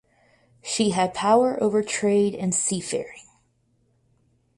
She had power over trade and seafaring.